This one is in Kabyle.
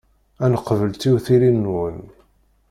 Ad neqbel tiwtilin-nwen.